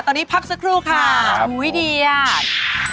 ตอนนี้พักสักครู่ค่ะโอ้โฮดีอ่ะค่ะครับ